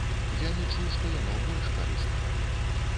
Я лічу, што яно больш карыснае.